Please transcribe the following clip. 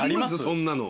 そんなの。